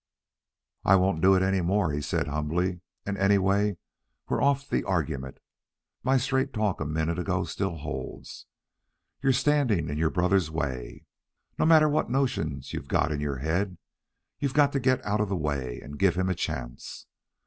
"I won't do it any more," he said humbly. "And anyway, we're off the argument. My straight talk a minute ago still holds. You're standing in your brother's way. No matter what notions you've got in your head, you've got to get out of the way and give him a chance.